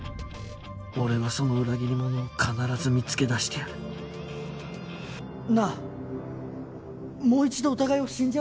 俺はその裏切り者を必ず見つけ出してやるなあもう一度お互いを信じ合ってみないか？